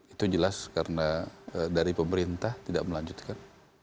itu jelas karena dari pemerintah tidak melanjutkan